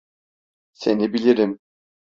Seni bilirim.